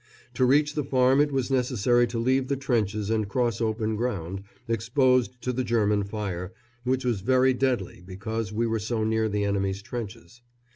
To reach the farm it was necessary to leave the trenches and cross open ground, exposed to the German fire, which was very deadly because we were so near the enemy's trenches.